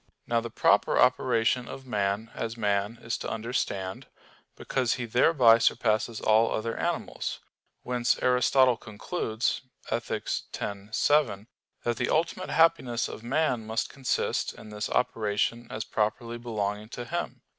Now the proper operation of man as man is to understand; because he thereby surpasses all other animals. Whence Aristotle concludes (Ethic. x, 7) that the ultimate happiness of man must consist in this operation as properly belonging to him.